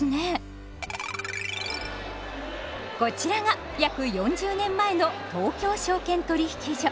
こちらが約４０年前の東京証券取引所。